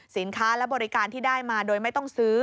สินค้าและบริการที่ได้มาโดยไม่ต้องซื้อ